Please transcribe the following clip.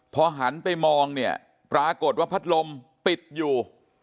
พอหันไปมองเนี่ยปรากฏว่าพัดลมปิดอยู่